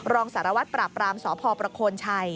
รองสารวัตรปราบรามสพช